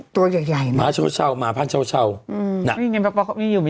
ตัวใหญ่ใหญ่หมาเช่าเช่าหมาพันเช่าเช่าอืมน่ะ